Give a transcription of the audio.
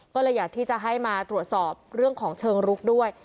ก็เลยอยากที่จะให้มาตรวจสอบเรื่องของเชิงรุกด้วย